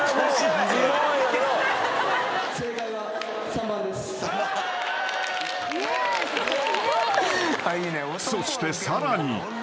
［そしてさらに］